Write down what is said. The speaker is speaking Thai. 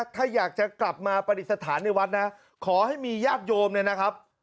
ถ้าอยากจะกลับมาปฏิสถานในวัดนะขอให้มีญาติโยมเนี่ยนะครับ